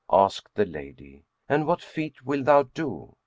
Asked the lady, "And what feat wilt thou do?"